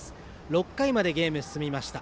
６回までゲーム進みました。